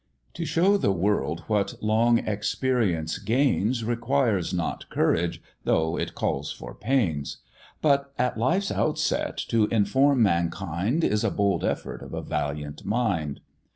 To show the world what long experience gains, Requires not courage, though it calls for pains; But at life's outset to inform mankind Is a bold effort of a valiant mind.